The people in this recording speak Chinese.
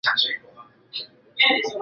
同名评剧电视剧